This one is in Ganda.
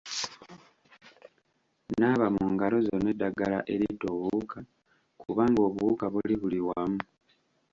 Naaba mu ngalo zo n'eddagala eritta obuwuka kubanga obuwuka buli buli wamu.